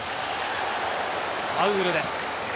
ファウルです。